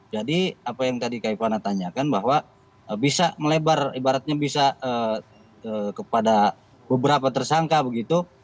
jadi apa yang tadi kak ivana tanyakan bahwa bisa melebar ibaratnya bisa kepada beberapa tersangka begitu